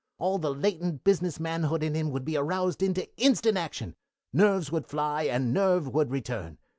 All the latent business manhood in him would be aroused into instant action. Nerves would fly, and nerve would return.